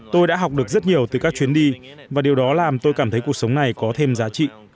tôi đã học được rất nhiều từ các chuyến đi và điều đó làm tôi cảm thấy cuộc sống này có thêm giá trị